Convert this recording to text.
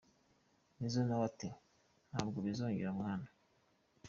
Nizzo nawe ati: "Ntabwo bizongera mwana!".